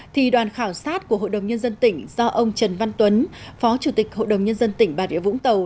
thì đoàn khảo sát của hội đồng nhân dân tỉnh do ông trần văn tuấn phó chủ tịch hội đồng nhân dân tỉnh bà rịa vũng tàu